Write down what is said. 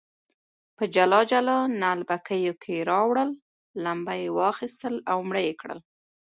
په جلا جلا نعلبکیو کې راوړل، لمبه یې واخیستل او مړه یې کړل.